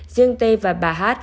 riêng t và bà h